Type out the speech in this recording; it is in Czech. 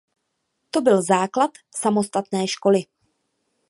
To byl základ samostatné školy.